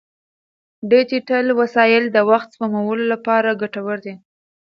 ډیجیټل وسایل د وخت سپمولو لپاره ګټور دي.